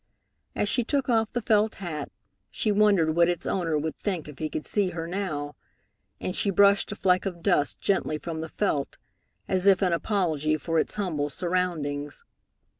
As she took off the felt hat, she wondered what its owner would think if he could see her now, and she brushed a fleck of dust gently from the felt, as if in apology for its humble surroundings.